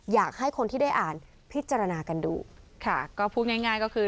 อยากให้คนที่ได้อ่านพิจารณากันดูค่ะก็พูดง่ายง่ายก็คือ